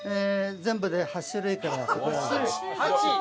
全部で８種類くらい。